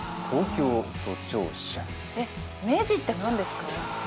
メジって何ですか？